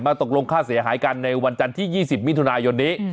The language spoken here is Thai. ตกลงค่าเสียหายกันในวันจันทร์ที่๒๐มิถุนายนนี้